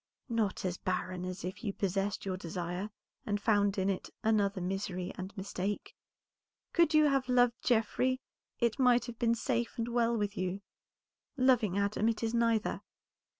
"Not as barren as if you possessed your desire, and found in it another misery and mistake. Could you have loved Geoffrey, it might have been safe and well with you; loving Adam, it is neither.